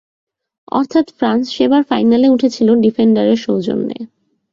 অর্থাৎ, ফ্রান্স সেবার ফাইনালে উঠেছিল ডিফেন্ডারের সৌজন্যে।